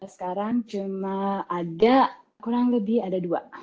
sekarang cuma ada kurang lebih ada dua